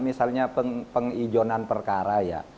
misalnya pengizonan perkara ya